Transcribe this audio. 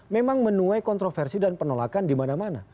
memang menuai kontroversi dan penolakan di mana mana